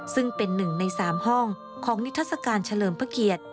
ซึ่งเป็นหนึ่งใน๓ห้องของนิทัศกาลเฉลิมพระเกียรติ